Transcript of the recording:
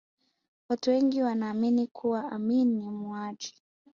watu wengi wanaamini kuwa amin ni muuaji